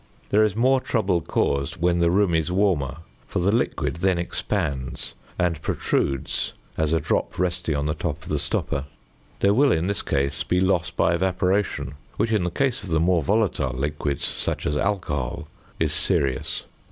There is more trouble caused when the room is warmer, for the liquid then expands and protrudes as a drop resting on the top of the stopper. There will in this case be loss by evaporation, which in the case of the more volatile liquids, such as alcohol, is serious.